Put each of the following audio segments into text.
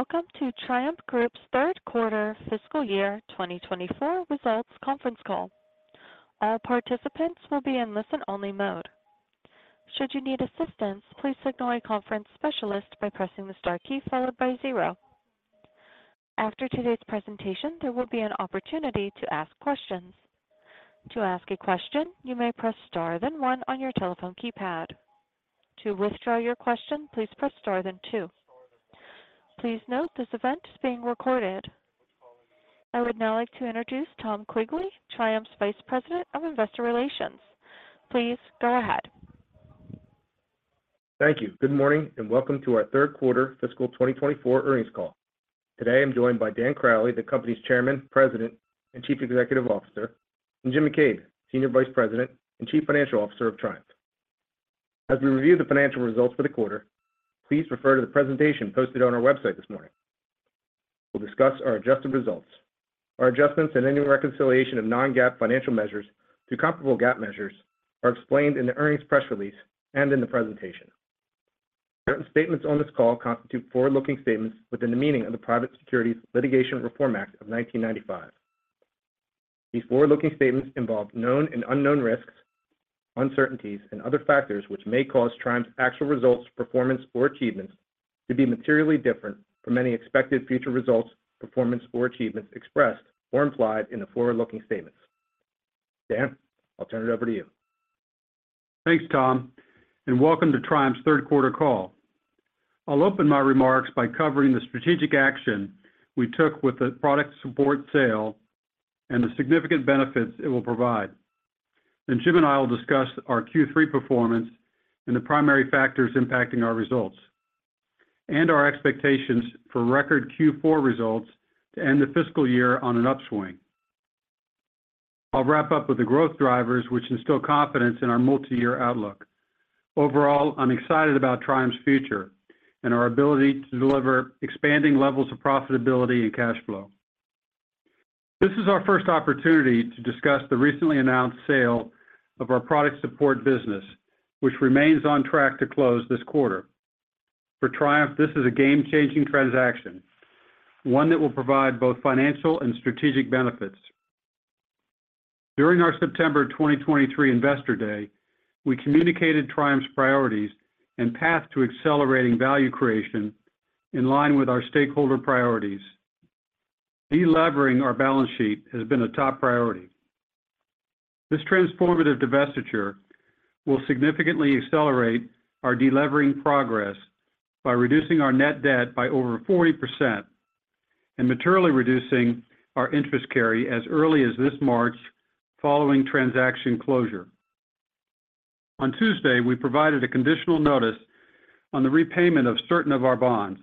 Welcome to Triumph Group's Q3 Fiscal Year 2024 Results Conference Call. All participants will be in listen-only mode. Should you need assistance, please signal a conference specialist by pressing the star key followed by zero. After today's presentation, there will be an opportunity to ask questions. To ask a question, you may press star, then one on your telephone keypad. To withdraw your question, please press star, then two. Please note, this event is being recorded. I would now like to introduce Tom Quigley, Triumph's Vice President of Investor Relations. Please go ahead. Thank you. Good morning, and welcome to our Q3 fiscal 2024 earnings call. Today, I'm joined by Dan Crowley, the company's Chairman, President, and Chief Executive Officer, and Jim McCabe, Senior Vice President and Chief Financial Officer of Triumph. As we review the financial results for the quarter, please refer to the presentation posted on our website this morning. We'll discuss our adjusted results. Our adjustments and any reconciliation of non-GAAP financial measures to comparable GAAP measures are explained in the earnings press release and in the presentation. Certain statements on this call constitute forward-looking statements within the meaning of the Private Securities Litigation Reform Act of 1995. These forward-looking statements involve known and unknown risks, uncertainties, and other factors, which may cause Triumph's actual results, performance, or achievements to be materially different from any expected future results, performance, or achievements expressed or implied in the forward-looking statements. Dan, I'll turn it over to you. Thanks, Tom, and welcome to Triumph's Q3 call. I'll open my remarks by covering the strategic action we took with the product support sale and the significant benefits it will provide. Then Jim and I will discuss our Q3 performance and the primary factors impacting our results, and our expectations for record Q4 results to end the fiscal year on an upswing. I'll wrap up with the growth drivers, which instill confidence in our multi-year outlook. Overall, I'm excited about Triumph's future and our ability to deliver expanding levels of profitability and cash flow. This is our first opportunity to discuss the recently announced sale of our product support business, which remains on track to close this quarter. For Triumph, this is a game-changing transaction, one that will provide both financial and strategic benefits. During our September 2023 Investor Day, we communicated Triumph's priorities and path to accelerating value creation in line with our stakeholder priorities. Deleveraging our balance sheet has been a top priority. This transformative divestiture will significantly accelerate our delevering progress by reducing our net debt by over 40% and materially reducing our interest carry as early as this March, following transaction closure. On Tuesday, we provided a conditional notice on the repayment of certain of our bonds.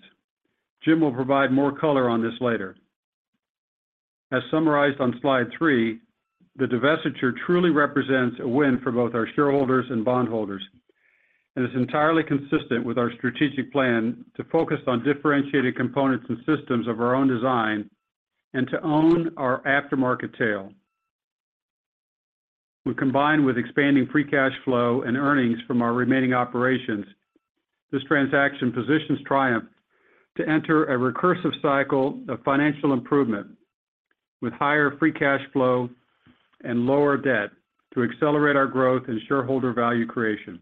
Jim will provide more color on this later. As summarized on Slide 3, the divestiture truly represents a win for both our shareholders and bondholders, and is entirely consistent with our strategic plan to focus on differentiated components and systems of our own design and to own our aftermarket tail. When combined with expanding free cash flow and earnings from our remaining operations, this transaction positions Triumph to enter a recursive cycle of financial improvement with higher free cash flow and lower debt to accelerate our growth and shareholder value creation.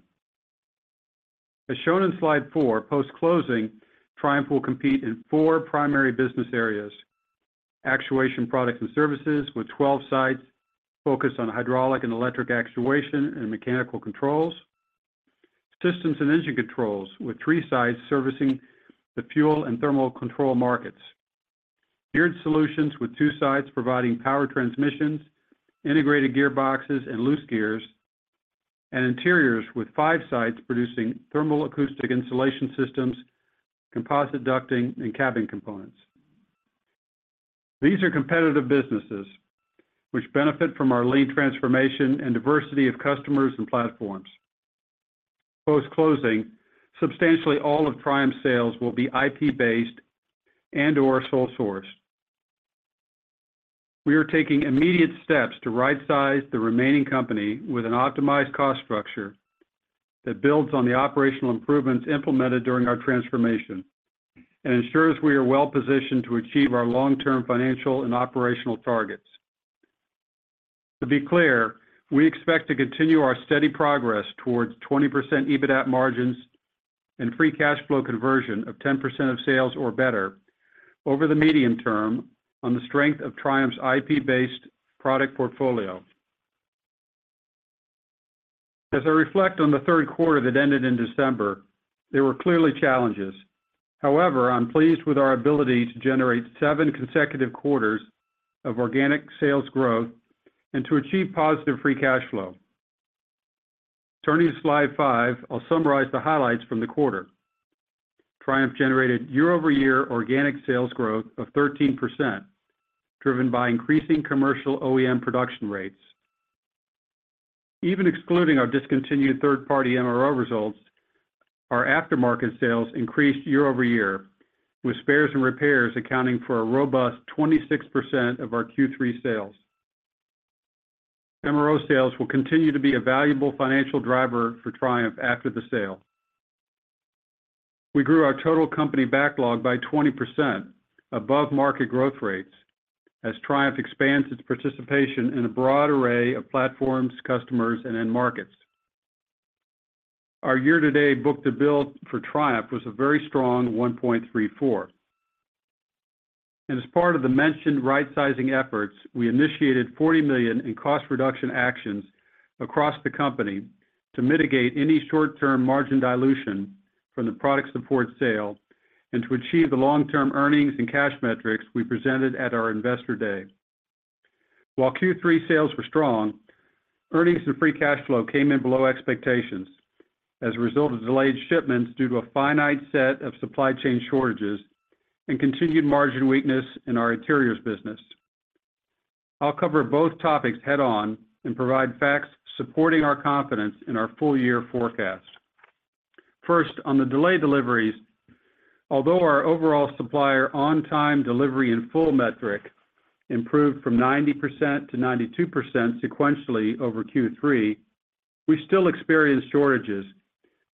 As shown in Slide four, post-closing, Triumph will compete in four primary business areas: Actuation Products and Services with 12 sites focused on hydraulic and electric actuation and mechanical controls. Systems and Engine Controls, with three sites servicing the fuel and thermal control markets. Geared Solutions, with two sites providing power transmissions, integrated gearboxes and loose gears. And Interiors, with five sites producing thermal acoustic insulation systems, composite ducting, and cabin components. These are competitive businesses which benefit from our lean transformation and diversity of customers and platforms. Post-closing, substantially all of Triumph's sales will be IP-based and/or sole source. We are taking immediate steps to rightsize the remaining company with an optimized cost structure that builds on the operational improvements implemented during our transformation and ensures we are well positioned to achieve our long-term financial and operational targets. To be clear, we expect to continue our steady progress towards 20% EBITDA margins and free cash flow conversion of 10% of sales or better over the medium term on the strength of Triumph's IP-based product portfolio. As I reflect on the Q3 that ended in December, there were clearly challenges. However, I'm pleased with our ability to generate 7 consecutive quarters of organic sales growth and to achieve positive free cash flow. Turning to Slide 5, I'll summarize the highlights from the quarter. Triumph generated year-over-year organic sales growth of 13%, driven by increasing commercial OEM production rates. Even excluding our discontinued third-party MRO results, our aftermarket sales increased year-over-year, with spares and repairs accounting for a robust 26% of our Q3 sales. MRO sales will continue to be a valuable financial driver for Triumph after the sale. We grew our total company backlog by 20% above market growth rates, as Triumph expands its participation in a broad array of platforms, customers, and end markets. Our year-to-date book-to-bill for Triumph was a very strong 1.34. As part of the mentioned rightsizing efforts, we initiated $40 million in cost reduction actions across the company to mitigate any short-term margin dilution from the product support sale, and to achieve the long-term earnings and cash metrics we presented at our Investor Day. While Q3 sales were strong, earnings and free cash flow came in below expectations as a result of delayed shipments due to a finite set of supply chain shortages and continued margin weakness in our Interiors business. I'll cover both topics head-on and provide facts supporting our confidence in our full-year forecast. First, on the delayed deliveries, although our overall supplier on-time delivery and full metric improved from 90% to 92% sequentially over Q3, we still experienced shortages,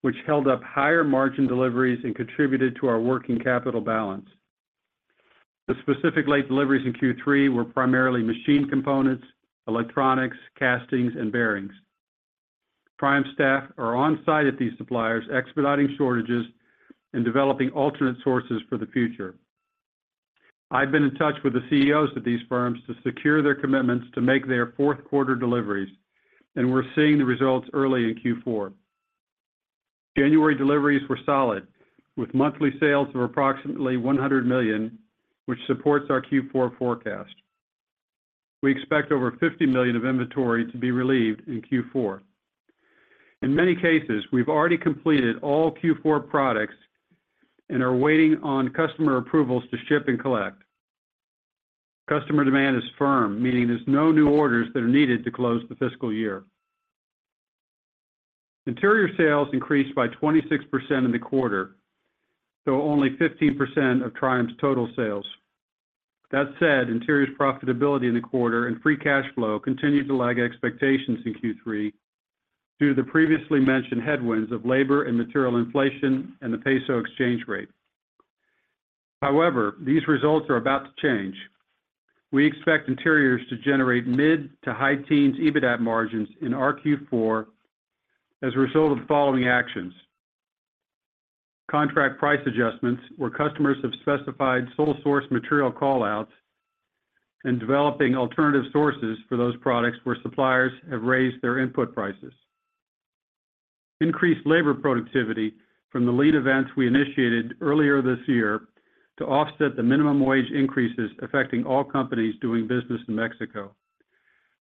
which held up higher margin deliveries and contributed to our working capital balance. The specific late deliveries in Q3 were primarily machine components, electronics, castings, and bearings. Triumph staff are on-site at these suppliers, expediting shortages and developing alternate sources for the future. I've been in touch with the CEOs of these firms to secure their commitments to make their Q4 deliveries, and we're seeing the results early in Q4. January deliveries were solid, with monthly sales of approximately $100 million, which supports our Q4 forecast. We expect over $50 million of inventory to be relieved in Q4. In many cases, we've already completed all Q4 products and are waiting on customer approvals to ship and collect. Customer demand is firm, meaning there's no new orders that are needed to close the fiscal year. Interiors sales increased by 26% in the quarter, though only 15% of TRIUMPH's total sales. That said, Interiors profitability in the quarter and free cash flow continued to lag expectations in Q3 due to the previously mentioned headwinds of labor and material inflation and the peso exchange rate. However, these results are about to change. We expect Interiors to generate mid- to high-teens EBITDA margins in our Q4 as a result of the following actions: contract price adjustments, where customers have specified sole source material call-outs and developing alternative sources for those products where suppliers have raised their input prices. Increased labor productivity from the Lean events we initiated earlier this year to offset the minimum wage increases affecting all companies doing business in Mexico.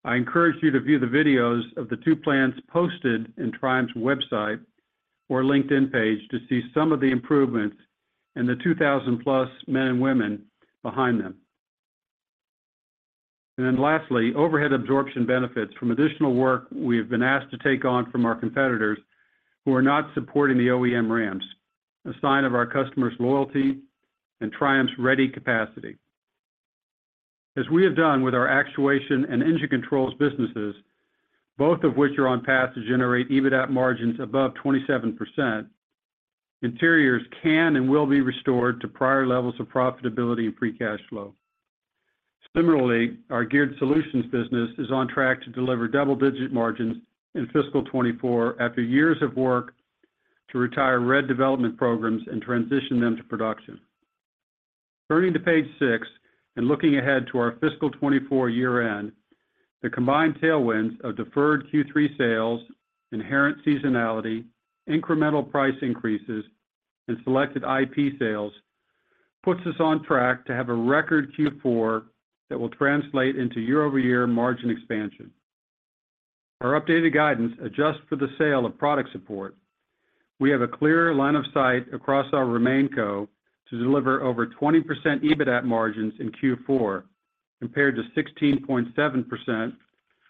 I encourage you to view the videos of the two plants posted in Triumph's website or LinkedIn page to see some of the improvements and the 2,000+ men and women behind them. And then lastly, overhead absorption benefits from additional work we have been asked to take on from our competitors who are not supporting the OEM ramps, a sign of our customers' loyalty and Triumph's ready capacity. As we have done with our Actuation and Engine Controls businesses, both of which are on path to generate EBITDA margins above 27%, Interiors can and will be restored to prior levels of profitability and free cash flow. Similarly, our Geared Solutions business is on track to deliver double-digit margins in fiscal 2024, after years of work to retire red development programs and transition them to production. Turning to page 6 and looking ahead to our fiscal 2024 year-end, the combined tailwinds of deferred Q3 sales, inherent seasonality, incremental price increases, and selected IP sales puts us on track to have a record Q4 that will translate into year-over-year margin expansion. Our updated guidance adjusts for the sale of product support. We have a clear line of sight across our RemainCo to deliver over 20% EBITDA margins in Q4, compared to 16.7%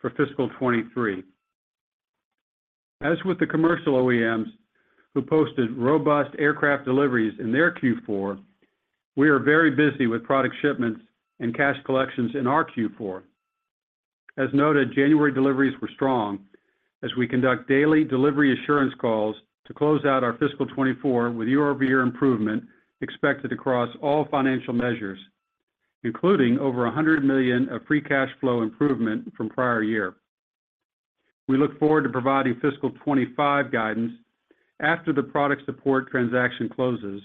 for fiscal 2023. As with the commercial OEMs, who posted robust aircraft deliveries in their Q4, we are very busy with product shipments and cash collections in our Q4. As noted, January deliveries were strong as we conduct daily delivery assurance calls to close out our fiscal 2024 with year-over-year improvement expected across all financial measures, including over $100 million of free cash flow improvement from prior year. We look forward to providing fiscal 2025 guidance after the product support transaction closes,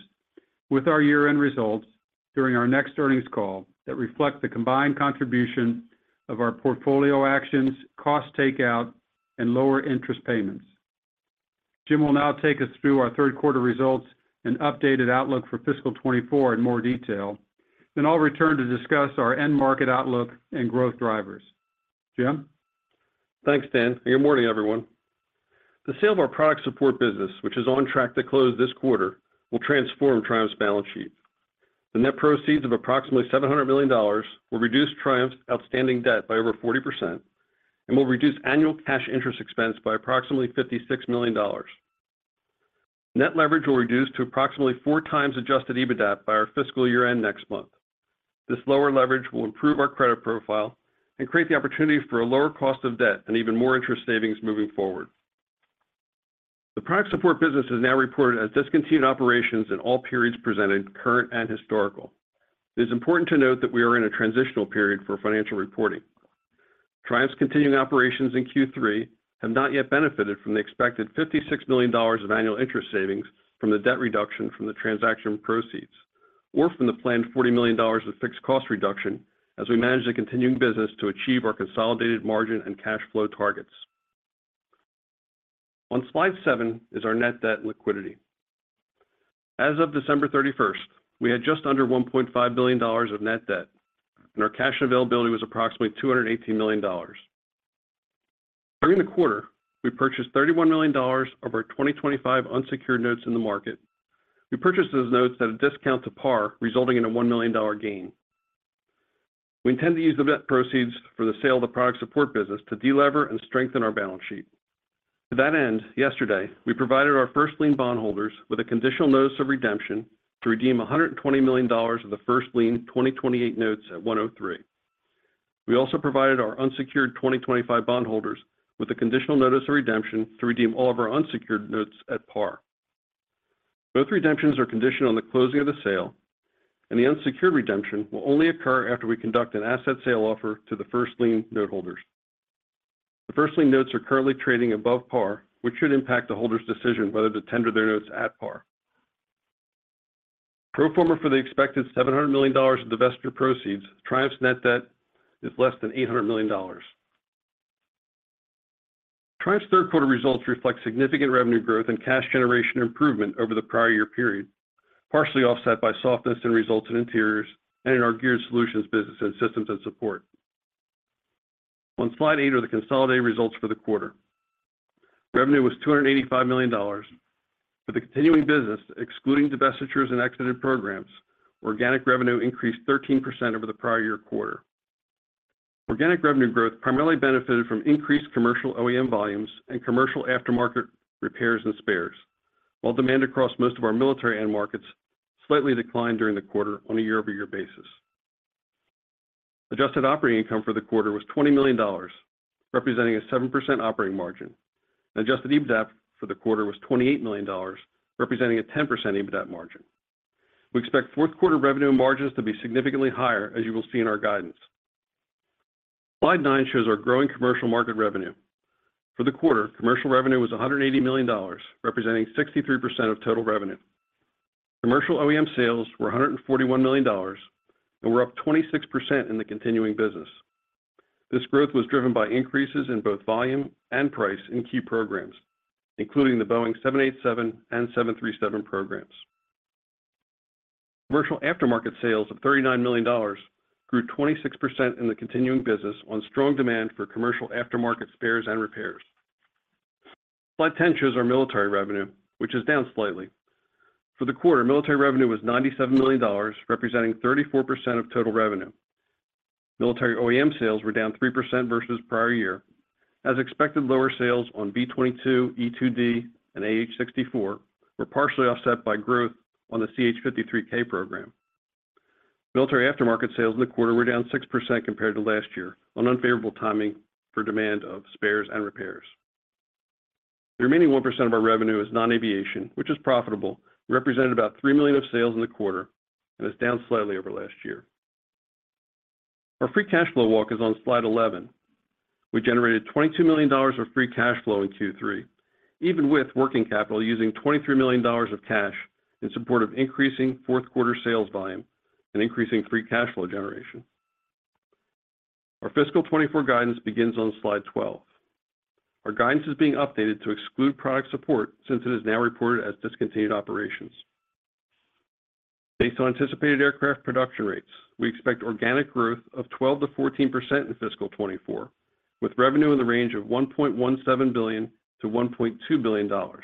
with our year-end results during our next earnings call, that reflect the combined contribution of our portfolio actions, cost takeout, and lower interest payments. Jim will now take us through our Q3 results and updated outlook for fiscal 2024 in more detail. Then I'll return to discuss our end market outlook and growth drivers. Jim? Thanks, Dan, and good morning, everyone. The sale of our product support business, which is on track to close this quarter, will transform Triumph's balance sheet. The net proceeds of approximately $700 million will reduce Triumph's outstanding debt by over 40% and will reduce annual cash interest expense by approximately $56 million. Net leverage will reduce to approximately 4x adjusted EBITDA by our fiscal year-end next month. This lower leverage will improve our credit profile and create the opportunity for a lower cost of debt and even more interest savings moving forward. The product support business is now reported as discontinued operations in all periods presented, current and historical. It is important to note that we are in a transitional period for financial reporting. Triumph's continuing operations in Q3 have not yet benefited from the expected $56 million of annual interest savings from the debt reduction from the transaction proceeds, or from the planned $40 million of fixed cost reduction as we manage the continuing business to achieve our consolidated margin and cash flow targets. On slide 7 is our net debt and liquidity. As of December 31, we had just under $1.5 billion of net debt, and our cash availability was approximately $218 million. During the quarter, we purchased $31 million of our 2025 unsecured notes in the market. We purchased those notes at a discount to par, resulting in a $1 million gain. We intend to use the net proceeds for the sale of the product support business to delever and strengthen our balance sheet. To that end, yesterday, we provided our first lien bondholders with a conditional notice of redemption to redeem $120 million of the first lien 2028 notes at 103. We also provided our unsecured 2025 bondholders with a conditional notice of redemption to redeem all of our unsecured notes at par. Both redemptions are conditioned on the closing of the sale, and the unsecured redemption will only occur after we conduct an asset sale offer to the first lien noteholders. The first lien notes are currently trading above par, which should impact the holder's decision whether to tender their notes at par. Pro forma for the expected $700 million of divestiture proceeds, Triumph's net debt is less than $800 million. Triumph's Q3 results reflect significant revenue growth and cash generation improvement over the prior year period, partially offset by softness in results in interiors and in our geared solutions business and systems and support. On slide 8 are the consolidated results for the quarter. Revenue was $285 million, with the continuing business, excluding divestitures and exited programs, organic revenue increased 13% over the prior year quarter. Organic revenue growth primarily benefited from increased commercial OEM volumes and commercial aftermarket repairs and spares, while demand across most of our military end markets slightly declined during the quarter on a year-over-year basis. Adjusted operating income for the quarter was $20 million, representing a 7% operating margin, and adjusted EBITDA for the quarter was $28 million, representing a 10% EBITDA margin. We expect Q4 revenue and margins to be significantly higher, as you will see in our guidance. Slide nine shows our growing commercial market revenue. For the quarter, commercial revenue was $180 million, representing 63% of total revenue. Commercial OEM sales were $141 million and were up 26% in the continuing business. This growth was driven by increases in both volume and price in key programs, including the Boeing 787 and 737 programs. Commercial aftermarket sales of $39 million grew 26% in the continuing business on strong demand for commercial aftermarket spares and repairs. Slide ten shows our military revenue, which is down slightly. For the quarter, military revenue was $97 million, representing 34% of total revenue. Military OEM sales were down 3% versus prior year. As expected, lower sales on B-22, E-2D, and AH-64 were partially offset by growth on the CH-53K program. Military aftermarket sales in the quarter were down 6% compared to last year on unfavorable timing for demand of spares and repairs. The remaining 1% of our revenue is non-aviation, which is profitable, and represented about $3 million of sales in the quarter and is down slightly over last year. Our free cash flow walk is on slide 11. We generated $22 million of free cash flow in Q3, even with working capital using $23 million of cash in support of increasing Q4 sales volume and increasing free cash flow generation. Our fiscal 2024 guidance begins on slide 12. Our guidance is being updated to exclude product support since it is now reported as discontinued operations. Based on anticipated aircraft production rates, we expect organic growth of 12%-14% in fiscal 2024, with revenue in the range of $1.17 billion-$1.2 billion. Our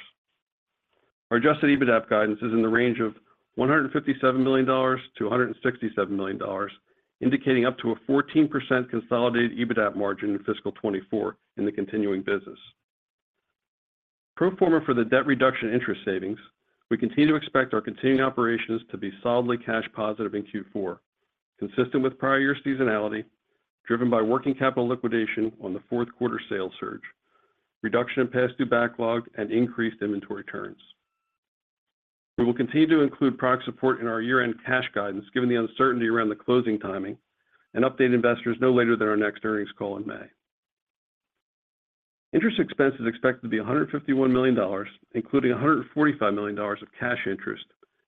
adjusted EBITDA guidance is in the range of $157 million-$167 million, indicating up to a 14% consolidated EBITDA margin in fiscal 2024 in the continuing business. Pro forma for the debt reduction interest savings, we continue to expect our continuing operations to be solidly cash positive in Q4, consistent with prior year seasonality, driven by working capital liquidation on the Q4 sales surge, reduction in past due backlog, and increased inventory turns. We will continue to include product support in our year-end cash guidance, given the uncertainty around the closing timing, and update investors no later than our next earnings call in May. Interest expense is expected to be $151 million, including $145 million of cash interest,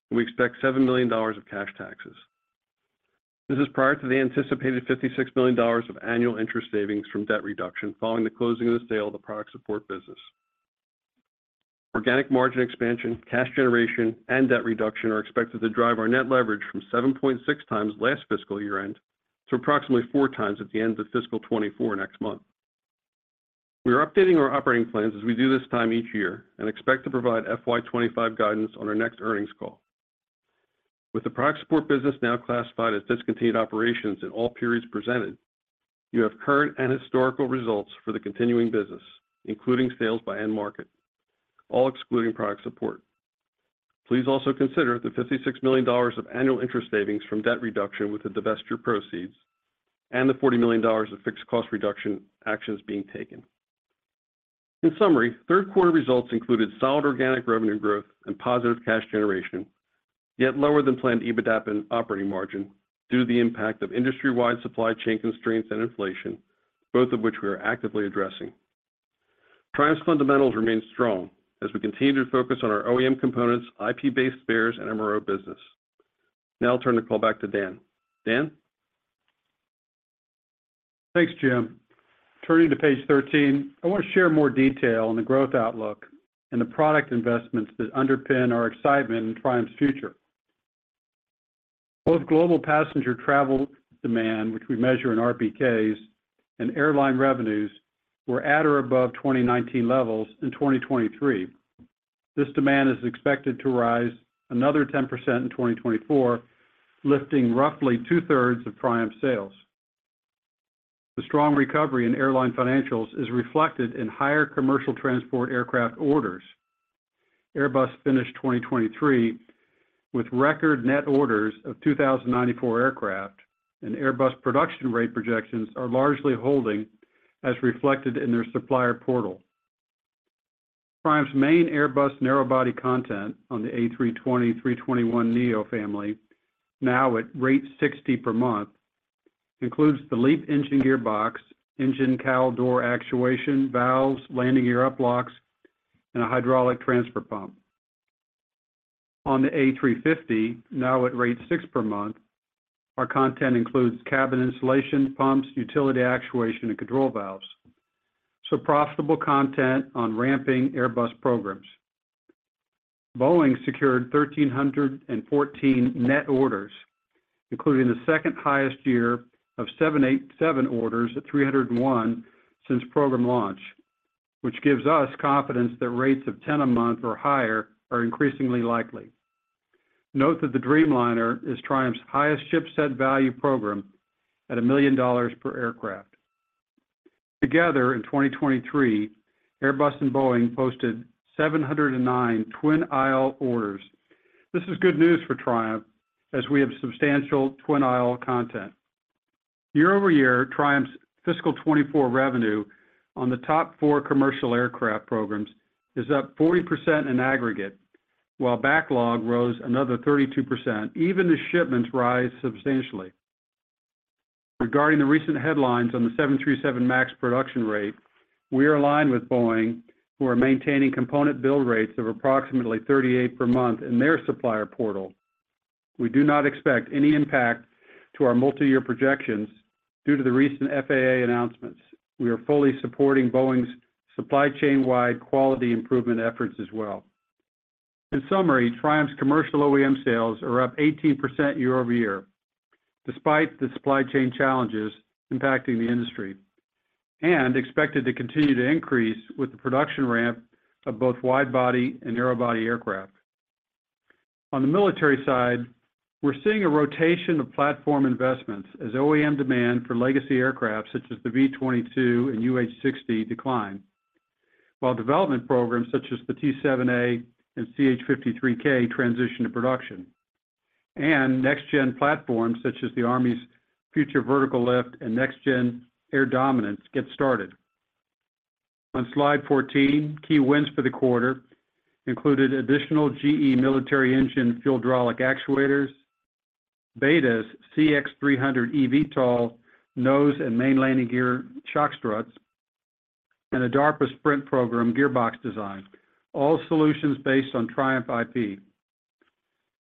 and we expect $7 million of cash taxes. This is prior to the anticipated $56 million of annual interest savings from debt reduction following the closing of the sale of the product support business. Organic margin expansion, cash generation, and debt reduction are expected to drive our net leverage from 7.6x last fiscal year end to approximately 4x at the end of fiscal 2024 next month. We are updating our operating plans as we do this time each year, and expect to provide FY 2025 guidance on our next earnings call.... With the product support business now classified as discontinued operations in all periods presented, you have current and historical results for the continuing business, including sales by end market, all excluding product support. Please also consider the $56 million of annual interest savings from debt reduction with the divestiture proceeds and the $40 million of fixed cost reduction actions being taken. In summary, Q3 results included solid organic revenue growth and positive cash generation, yet lower than planned EBITDA and operating margin due to the impact of industry-wide supply chain constraints and inflation, both of which we are actively addressing. Triumph's fundamentals remain strong as we continue to focus on our OEM components, IP-based spares, and MRO business. Now I'll turn the call back to Dan. Dan? Thanks, Jim. Turning to page thirteen, I want to share more detail on the growth outlook and the product investments that underpin our excitement in Triumph's future. Both global passenger travel demand, which we measure in RPKs, and airline revenues were at or above 2019 levels in 2023. This demand is expected to rise another 10% in 2024, lifting roughly two-thirds of Triumph sales. The strong recovery in airline financials is reflected in higher commercial transport aircraft orders. Airbus finished 2023 with record net orders of 2,094 aircraft, and Airbus production rate projections are largely holding, as reflected in their supplier portal. Triumph's main Airbus narrow-body content on the A320, A321neo family, now at rate 60 per month, includes the LEAP engine gearbox, engine cowl door actuation, valves, landing gear uplocks, and a hydraulic transfer pump. On the A350, now at rate 6 per month, our content includes cabin insulation, pumps, utility actuation, and control valves. So profitable content on ramping Airbus programs. Boeing secured 1,314 net orders, including the second highest year of 787 orders at 301 since program launch, which gives us confidence that rates of 10 a month or higher are increasingly likely. Note that the Dreamliner is Triumph's highest ship set value program at $1 million per aircraft. Together, in 2023, Airbus and Boeing posted 709 Twin Aisle orders. This is good news for Triumph, as we have substantial Twin Aisle content. Year-over-year, Triumph's fiscal 2024 revenue on the top four commercial aircraft programs is up 40% in aggregate, while backlog rose another 32%, even as shipments rise substantially. Regarding the recent headlines on the 737 MAX production rate, we are aligned with Boeing, who are maintaining component build rates of approximately 38 per month in their supplier portal. We do not expect any impact to our multi-year projections due to the recent FAA announcements. We are fully supporting Boeing's supply chain-wide quality improvement efforts as well. In summary, Triumph's commercial OEM sales are up 18% year-over-year, despite the supply chain challenges impacting the industry, and expected to continue to increase with the production ramp of both wide-body and narrow-body aircraft. On the military side, we're seeing a rotation of platform investments as OEM demand for legacy aircraft, such as the V-22 and UH-60, decline. While development programs such as the T-7A and CH-53K transition to production, and next-gen platforms such as the Army's Future Vertical Lift and Next-Gen Air Dominance get started. On slide 14, key wins for the quarter included additional GE military engine fuel hydraulic actuators, BETA's CX300 eVTOL nose and main landing gear shock struts, and a DARPA SPRINT program gearbox design, all solutions based on Triumph IP.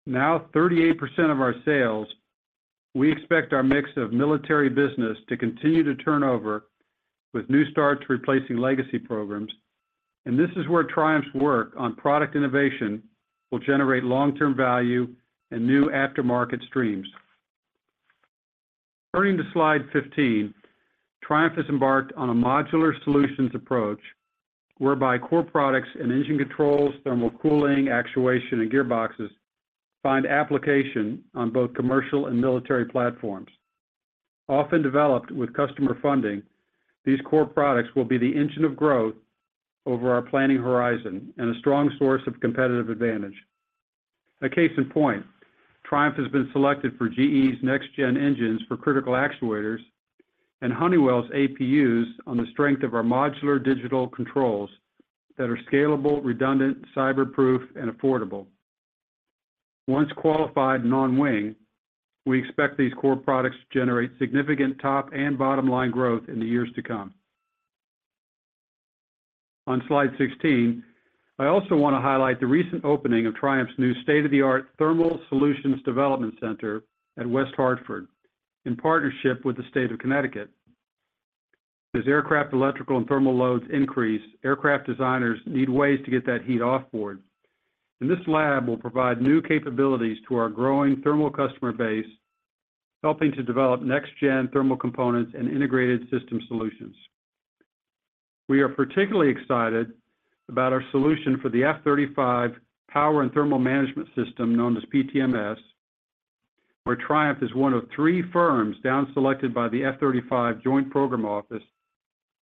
Now 38% of our sales, we expect our mix of military business to continue to turn over with new starts replacing legacy programs, and this is where Triumph's work on product innovation will generate long-term value and new aftermarket streams. Turning to slide 15, Triumph has embarked on a modular solutions approach, whereby core products and engine controls, thermal cooling, actuation, and gearboxes find application on both commercial and military platforms. Often developed with customer funding, these core products will be the engine of growth over our planning horizon and a strong source of competitive advantage. A case in point, Triumph has been selected for GE's next gen engines for critical actuators and Honeywell's APUs on the strength of our modular digital controls that are scalable, redundant, cyber-proof, and affordable. Once qualified and on wing, we expect these core products to generate significant top and bottom line growth in the years to come. On slide 16, I also want to highlight the recent opening of Triumph's new state-of-the-art Thermal Solutions Development Center at West Hartford, in partnership with the State of Connecticut. As aircraft, electrical, and thermal loads increase, aircraft designers need ways to get that heat off board, and this lab will provide new capabilities to our growing thermal customer base, helping to develop next gen thermal components and integrated system solutions.... We are particularly excited about our solution for the F-35 Power and Thermal Management System, known as PTMS, where Triumph is one of three firms downselected by the F-35 Joint Program Office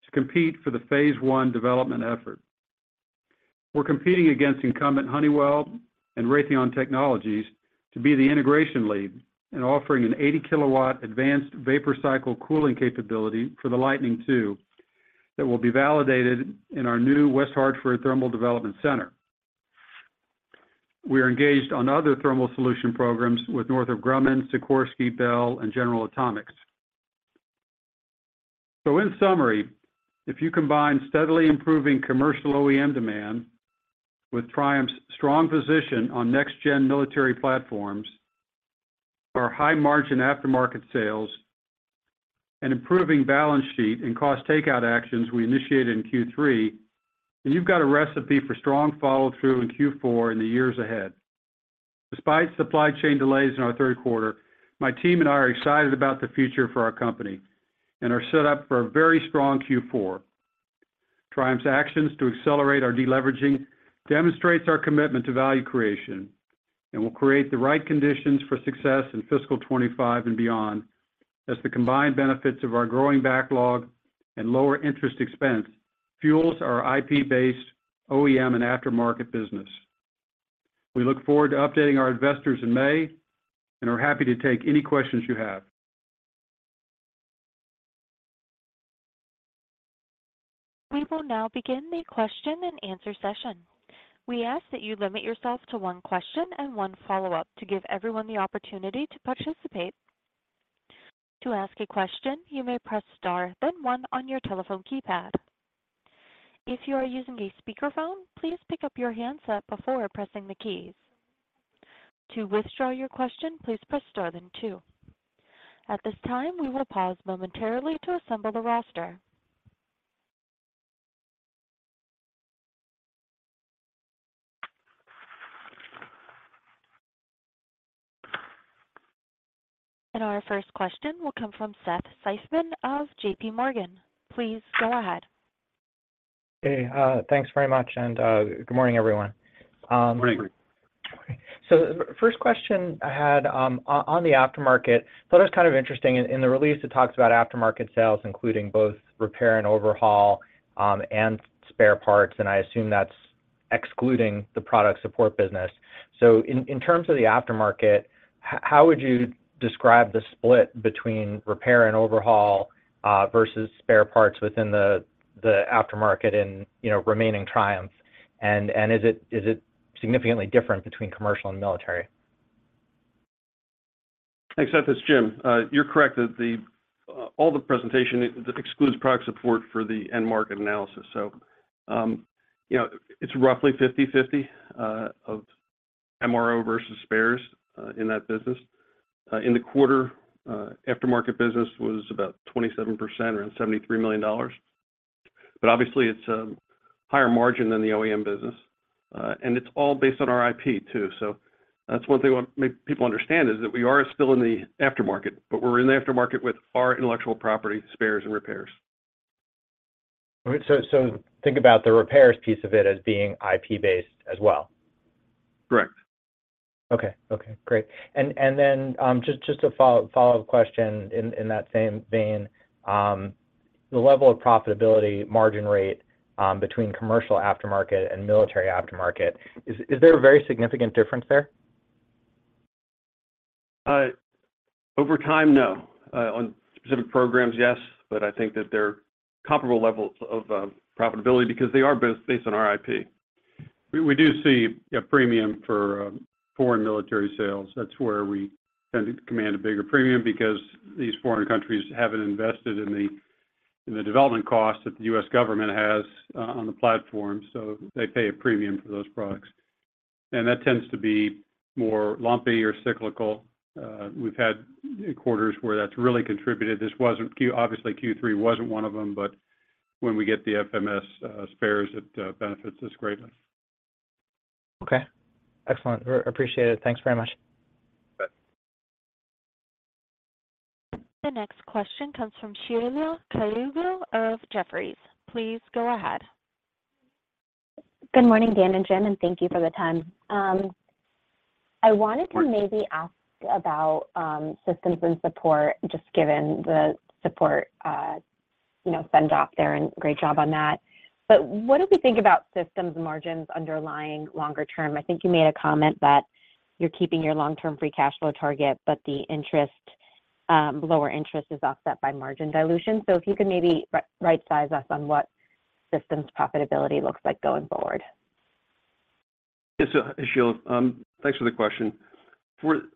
to compete for the phase one development effort. We're competing against incumbent Honeywell and Raytheon Technologies to be the integration lead in offering an 80-kilowatt advanced vapor cycle cooling capability for the Lightning II, that will be validated in our new West Hartford Thermal Development Center. We are engaged on other thermal solution programs with Northrop Grumman, Sikorsky, Bell, and General Atomics. So in summary, if you combine steadily improving commercial OEM demand with Triumph's strong position on next-gen military platforms, our high-margin aftermarket sales, and improving balance sheet and cost takeout actions we initiated in Q3, then you've got a recipe for strong follow-through in Q4 in the years ahead. Despite supply chain delays in our Q3, my team and I are excited about the future for our company and are set up for a very strong Q4. Triumph's actions to accelerate our deleveraging demonstrates our commitment to value creation and will create the right conditions for success in fiscal 2025 and beyond, as the combined benefits of our growing backlog and lower interest expense fuels our IP-based OEM and aftermarket business. We look forward to updating our investors in May and are happy to take any questions you have. We will now begin the question-and-answer session. We ask that you limit yourselves to one question and one follow-up to give everyone the opportunity to participate. To ask a question, you may press star, then one on your telephone keypad. If you are using a speakerphone, please pick up your handset before pressing the keys. To withdraw your question, please press star, then two. At this time, we will pause momentarily to assemble the roster. Our first question will come from Seth Seifman of J.P. Morgan. Please go ahead. Hey, thanks very much, and good morning, everyone. Good morning. So the first question I had on the aftermarket. Thought it was kind of interesting, in the release, it talks about aftermarket sales, including both repair and overhaul and spare parts, and I assume that's excluding the product support business. So in terms of the aftermarket, how would you describe the split between repair and overhaul versus spare parts within the aftermarket in, you know, remaining Triumph's? And is it significantly different between commercial and military? Thanks, Seth. It's Jim. You're correct that the all the presentation excludes product support for the end market analysis. So, you know, it's roughly 50/50 of MRO versus spares in that business. In the quarter, aftermarket business was about 27%, around $73 million. But obviously, it's a higher margin than the OEM business, and it's all based on our IP, too. So that's one thing I want to make people understand, is that we are still in the aftermarket, but we're in the aftermarket with our intellectual property, spares, and repairs. All right. So, think about the repairs piece of it as being IP-based as well? Correct. Okay. Okay, great. And then, just a follow-up question in that same vein, the level of profitability margin rate, between commercial aftermarket and military aftermarket, is there a very significant difference there? Over time, no. On specific programs, yes, but I think that they're comparable levels of profitability because they are both based on our IP. We do see a premium for foreign military sales. That's where we tend to command a bigger premium because these foreign countries haven't invested in the development costs that the U.S. government has on the platform, so they pay a premium for those products. And that tends to be more lumpy or cyclical. We've had quarters where that's really contributed. This wasn't Q3—obviously, Q3 wasn't one of them, but when we get the FMS spares, it benefits us greatly. Okay. Excellent. Appreciate it. Thanks very much. You bet. The next question comes from Sheila Kahyaoglu of Jefferies. Please go ahead. Good morning, Dan and Jim, and thank you for the time. I wanted to- Of course... maybe ask about systems and support, just given the support, you know, send off there, and great job on that. But what do we think about systems margins underlying longer term? I think you made a comment that you're keeping your long-term free cash flow target, but the interest, lower interest is offset by margin dilution. So if you could maybe right-size us on what systems profitability looks like going forward. Yes. So, Sheila, thanks for the question.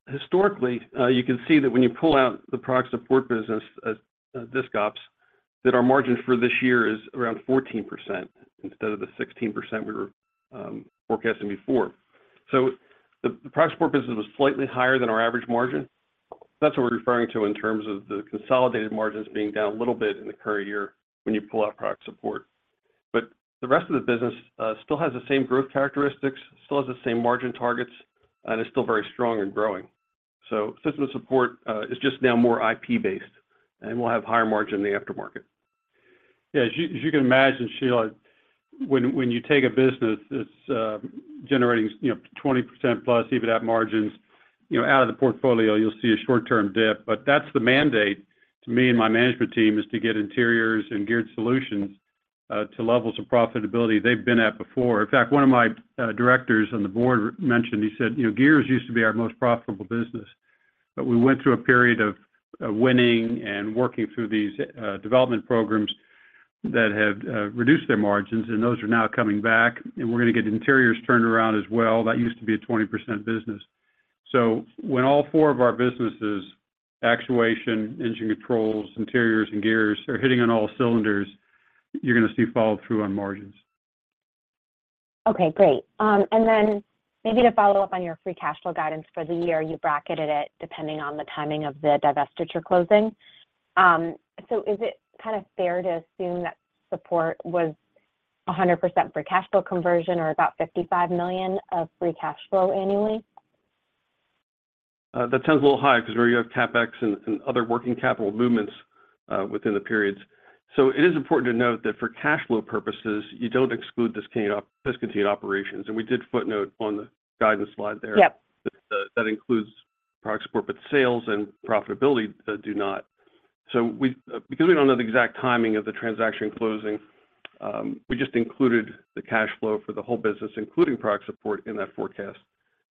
Historically, you can see that when you pull out the product support business as disc ops, that our margin for this year is around 14% instead of the 16% we were forecasting before. So the product support business was slightly higher than our average margin. That's what we're referring to in terms of the consolidated margins being down a little bit in the current year when you pull out product support. But the rest of the business still has the same growth characteristics, still has the same margin targets, and is still very strong and growing. So system support is just now more IP-based, and we'll have higher margin in the aftermarket. Yeah, as you can imagine, Sheila, when you take a business that's generating, you know, 20%+ EBITDA margins, you know, out of the portfolio, you'll see a short-term dip. But that's the mandate to me and my management team, is to get interiors and geared solutions to levels of profitability they've been at before. In fact, one of my directors on the board mentioned, he said, "You know, gears used to be our most profitable business, but we went through a period of winning and working through these development programs that have reduced their margins, and those are now coming back, and we're gonna get interiors turned around as well. That used to be a 20% business." So when all four of our businesses, actuation, engine controls, interiors, and gears, are hitting on all cylinders, you're gonna see follow-through on margins. Okay, great. And then maybe to follow up on your free cash flow guidance for the year, you bracketed it depending on the timing of the divestiture closing. So is it kind of fair to assume that support was 100% free cash flow conversion or about $55 million of free cash flow annually? That sounds a little high because we have CapEx and other working capital movements within the periods. So it is important to note that for cash flow purposes, you don't exclude discontinued operations, and we did footnote on the guidance slide there. Yep. That includes product support, but sales and profitability do not. So we, because we don't know the exact timing of the transaction closing, we just included the cash flow for the whole business, including product support, in that forecast.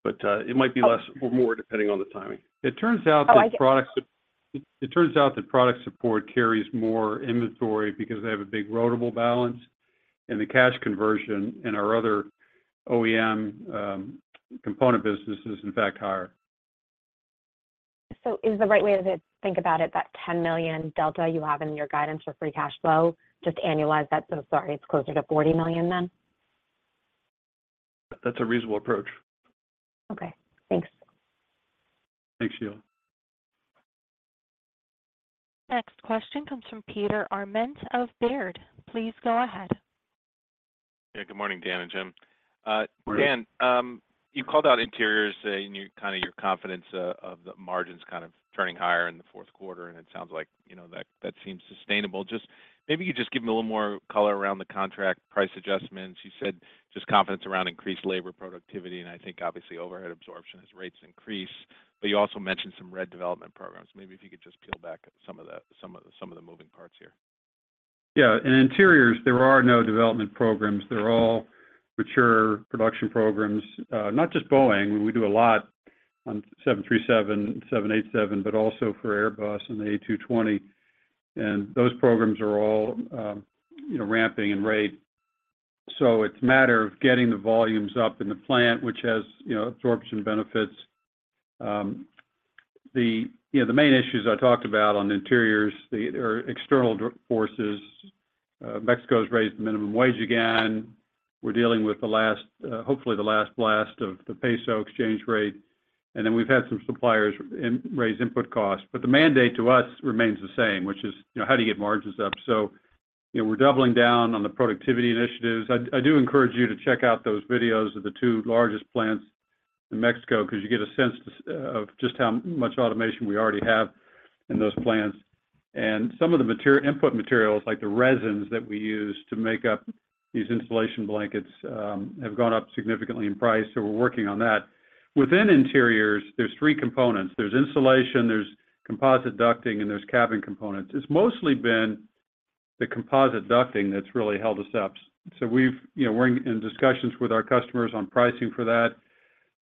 But, it might be less or more depending on the timing. Oh, I- It turns out that product support carries more inventory because they have a big rotable balance, and the cash conversion in our other OEM component business is, in fact, higher. So is the right way to think about it, that $10 million delta you have in your guidance for free cash flow, just annualize that, so sorry, it's closer to $40 million than? That's a reasonable approach. Okay. Thanks. Thanks, Sheila. Next question comes from Peter Arment of Baird. Please go ahead. Yeah. Good morning, Dan and Jim. Good morning. Dan, you called out interiors and your, kind of your confidence of the margins kind of turning higher in the Q4, and it sounds like, you know, that seems sustainable. Just maybe you could just give me a little more color around the contract price adjustments. You said just confidence around increased labor productivity, and I think obviously overhead absorption as rates increase. But you also mentioned some R&D development programs. Maybe if you could just peel back some of the moving parts here. Yeah. In interiors, there are no development programs. They're all mature production programs. Not just Boeing. We do a lot on 737, 787, but also for Airbus and the A220. And those programs are all, you know, ramping in rate, so it's a matter of getting the volumes up in the plant, which has, you know, absorption benefits. The, you know, the main issues I talked about on interiors, or external forces, Mexico has raised the minimum wage again. We're dealing with the last, hopefully the last blast of the peso exchange rate, and then we've had some suppliers raise input costs. But the mandate to us remains the same, which is, you know, how do you get margins up? So, you know, we're doubling down on the productivity initiatives. I do encourage you to check out those videos of the two largest plants in Mexico, because you get a sense of just how much automation we already have in those plants. Some of the input materials, like the resins that we use to make up these insulation blankets, have gone up significantly in price, so we're working on that. Within interiors, there's three components: there's insulation, there's composite ducting, and there's cabin components. It's mostly been the composite ducting that's really held us up. So we've, you know, we're in discussions with our customers on pricing for that.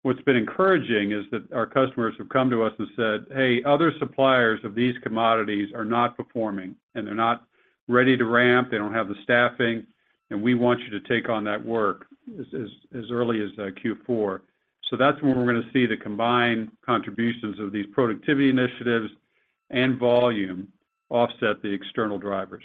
What's been encouraging is that our customers have come to us and said, "Hey, other suppliers of these commodities are not performing, and they're not ready to ramp. They don't have the staffing, and we want you to take on that work as early as Q4." So that's when we're gonna see the combined contributions of these productivity initiatives and volume offset the external drivers.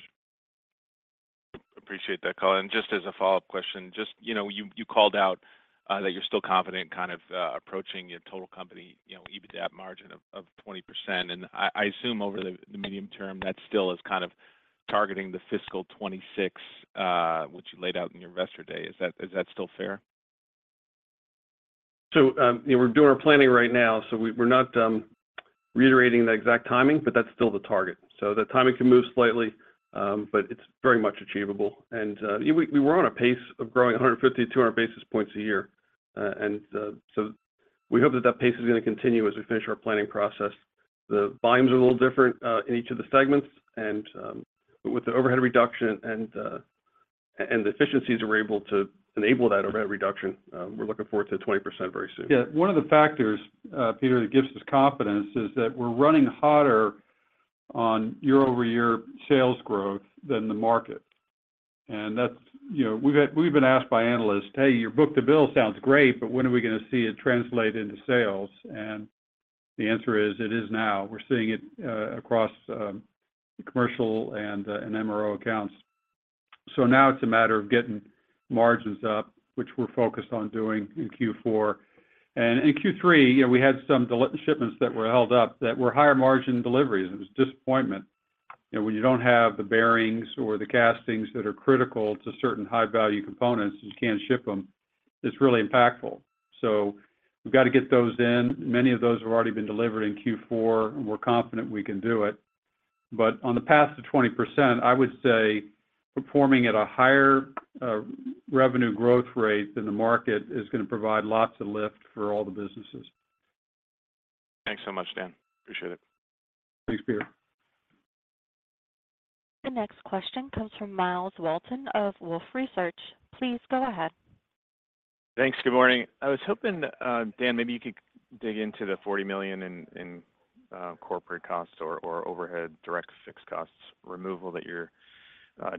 Appreciate that call. And just as a follow-up question, just, you know, you, you called out that you're still confident kind of approaching your total company, you know, EBITDA margin of 20%. And I, I assume over the medium term, that still is kind of targeting the fiscal 2026, which you laid out in your Investor Day. Is that still fair? So, you know, we're doing our planning right now, so we're not reiterating the exact timing, but that's still the target. So the timing can move slightly, but it's very much achievable. And, we were on a pace of growing 150-200 basis points a year. And, so we hope that that pace is gonna continue as we finish our planning process. The volumes are a little different in each of the segments, and, but with the overhead reduction and the efficiencies we're able to enable that overhead reduction, we're looking forward to 20% very soon. Yeah, one of the factors, Peter, that gives us confidence is that we're running hotter on year-over-year sales growth than the market. And that's, you know, we've been asked by analysts, "Hey, your book-to-bill sounds great, but when are we gonna see it translate into sales?" And the answer is, it is now. We're seeing it across commercial and MRO accounts. So now it's a matter of getting margins up, which we're focused on doing in Q4. And in Q3, you know, we had some delivery shipments that were held up that were higher margin deliveries, and it was a disappointment when you don't have the bearings or the castings that are critical to certain high-value components, and you can't ship them, it's really impactful. So we've got to get those in. Many of those have already been delivered in Q4, and we're confident we can do it. But on the path to 20%, I would say performing at a higher revenue growth rate than the market is going to provide lots of lift for all the businesses. Thanks so much, Dan. Appreciate it. Thanks, Peter. The next question comes from Myles Walton of Wolfe Research. Please go ahead. Thanks. Good morning. I was hoping, Dan, maybe you could dig into the $40 million in corporate costs or overhead, direct fixed costs removal that you're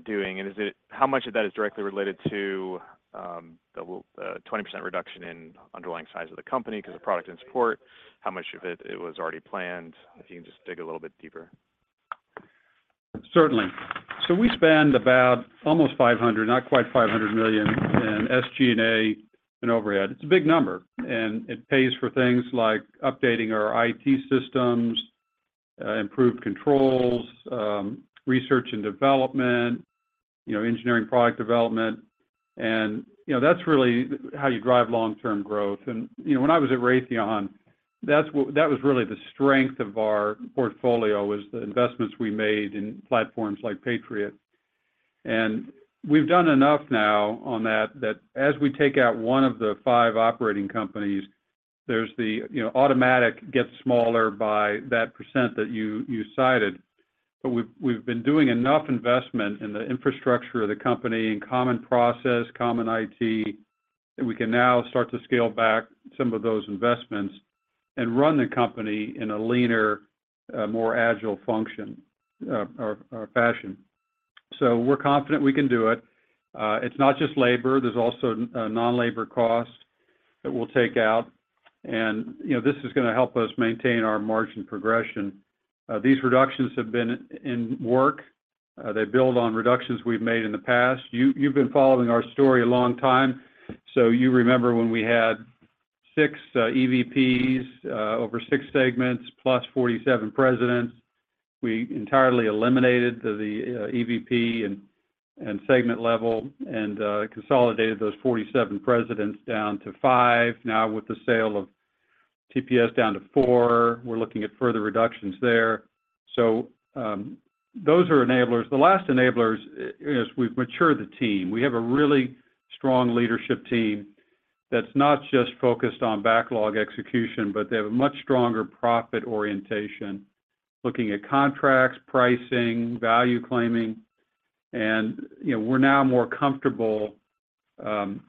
doing. And is it how much of that is directly related to the 20% reduction in underlying size of the company because of product and support? How much of it was already planned? If you can just dig a little bit deeper. Certainly. So we spend about almost $500 million, not quite $500 million in SG&A and overhead. It's a big number, and it pays for things like updating our IT systems, improved controls, research and development, you know, engineering, product development. And, you know, that's really how you drive long-term growth. And, you know, when I was at Raytheon, that was really the strength of our portfolio, was the investments we made in platforms like Patriot. And we've done enough now on that, that as we take out one of the five operating companies, there's the, you know, automatic gets smaller by that percent that you cited. But we've been doing enough investment in the infrastructure of the company, in common process, common IT, that we can now start to scale back some of those investments and run the company in a leaner, more agile function, or fashion. So we're confident we can do it. It's not just labor. There's also non-labor costs that we'll take out. And, you know, this is going to help us maintain our margin progression. These reductions have been in work. They build on reductions we've made in the past. You've been following our story a long time, so you remember when we had 6 EVPs over 6 segments, plus 47 presidents. We entirely eliminated the EVP and segment level and consolidated those 47 presidents down to 5. Now, with the sale of TPS down to 4, we're looking at further reductions there. So, those are enablers. The last enablers is we've matured the team. We have a really strong leadership team that's not just focused on backlog execution, but they have a much stronger profit orientation, looking at contracts, pricing, value claiming. And, you know, we're now more comfortable in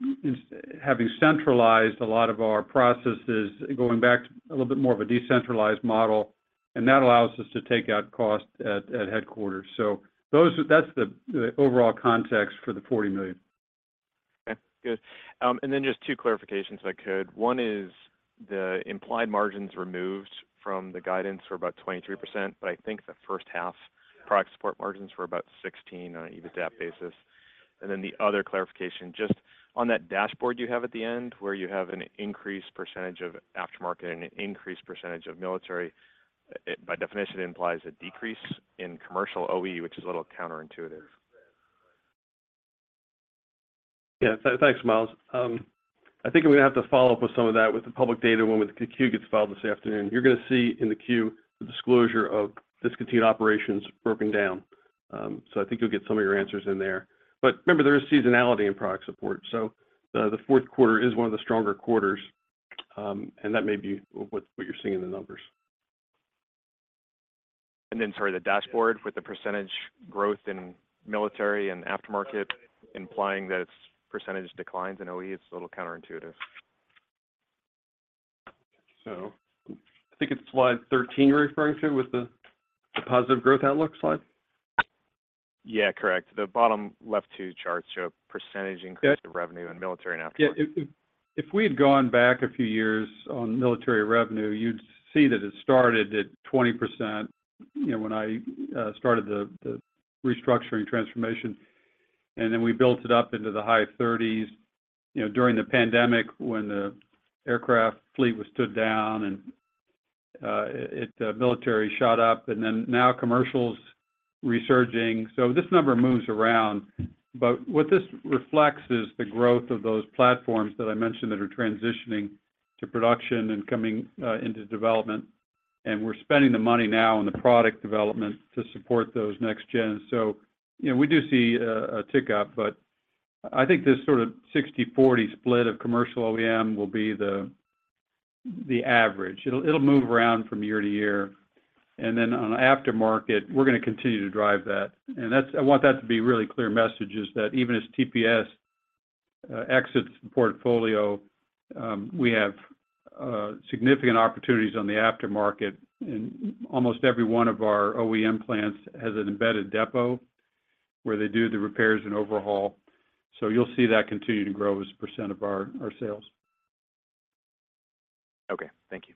having centralized a lot of our processes, going back to a little bit more of a decentralized model, and that allows us to take out costs at headquarters. So those are... That's the overall context for the $40 million. Okay, good. And then just two clarifications, if I could. One is the implied margins removed from the guidance were about 23%, but I think the first half product support margins were about 16% on an EBITDA basis. And then the other clarification, just on that dashboard you have at the end, where you have an increased percentage of aftermarket and an increased percentage of military, it by definition implies a decrease in commercial OE, which is a little counterintuitive. Yeah. Thanks, Myles. I think I'm going to have to follow up with some of that with the public data when the Q gets filed this afternoon. You're going to see in the Q, the disclosure of discontinued operations broken down. So I think you'll get some of your answers in there. But remember, there is seasonality in product support, so the Q4 is one of the stronger quarters, and that may be what you're seeing in the numbers. And then, sorry, the dashboard with the percentage growth in military and aftermarket, implying that it's percentage declines in OE. It's a little counterintuitive. So I think it's slide 13 you're referring to, with the positive growth outlook slide? Yeah, correct. The bottom left two charts show a percentage increase- Yeah of revenue in military and aftermarket. Yeah. If we had gone back a few years on military revenue, you'd see that it started at 20%, you know, when I started the restructuring transformation, and then we built it up into the high 30s, you know, during the pandemic, when the aircraft fleet was stood down and military shot up, and then now commercial's resurging. So this number moves around. But what this reflects is the growth of those platforms that I mentioned, that are transitioning to production and coming into development. And we're spending the money now on the product development to support those next gen. So, you know, we do see a tick up, but I think this sort of 60/40 split of commercial OEM will be the average. It'll move around from year to year. Then on the aftermarket, we're going to continue to drive that. That's. I want that to be a really clear message, is that even as TPS exits the portfolio, we have significant opportunities on the aftermarket, and almost every one of our OEM plants has an embedded depot where they do the repairs and overhaul. You'll see that continue to grow as a percent of our sales. Okay. Thank you.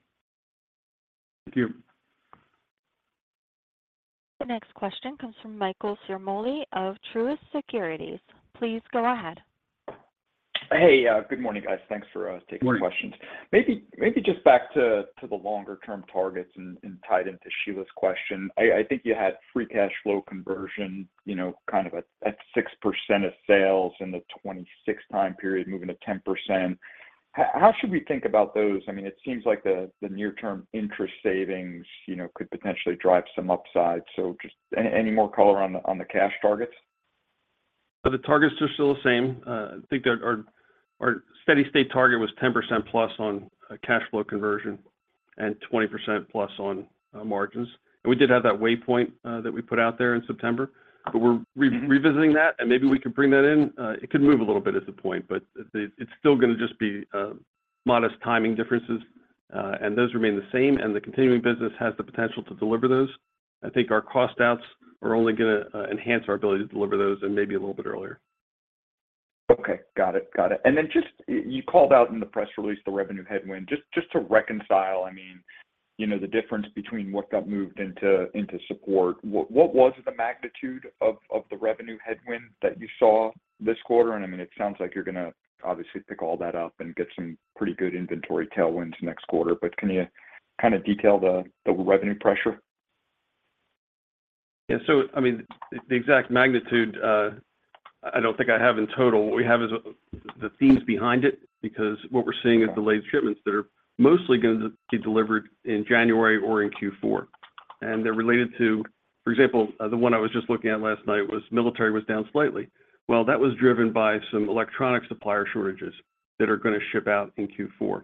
Thank you. The next question comes from Michael Ciarmoli of Truist Securities. Please go ahead.... Hey, good morning, guys. Thanks for taking questions. Morning. Maybe just back to the longer-term targets and tied into Sheila's question. I think you had free cash flow conversion, you know, kind of at 6% of sales in the 2026 time period, moving to 10%. How should we think about those? I mean, it seems like the near-term interest savings, you know, could potentially drive some upside. So just any more color on the cash targets? The targets are still the same. I think our steady-state target was 10%+ on cash flow conversion and 20%+ on margins. We did have that waypoint that we put out there in September, but we're revisiting that, and maybe we can bring that in. It could move a little bit at this point, but it's still gonna just be modest timing differences, and those remain the same, and the continuing business has the potential to deliver those. I think our cost outs are only gonna enhance our ability to deliver those and maybe a little bit earlier. Okay, got it. Got it. And then just, you called out in the press release, the revenue headwind. Just to reconcile, I mean, you know, the difference between what got moved into, into support. What was the magnitude of, of the revenue headwind that you saw this quarter? And I mean, it sounds like you're gonna obviously pick all that up and get some pretty good inventory tailwinds next quarter, but can you kind of detail the, the revenue pressure? Yeah. So I mean, the exact magnitude, I don't think I have in total. What we have is the themes behind it, because what we're seeing is delayed shipments that are mostly gonna be delivered in January or in Q4, and they're related to... For example, the one I was just looking at last night was military was down slightly. Well, that was driven by some electronic supplier shortages that are gonna ship out in Q4.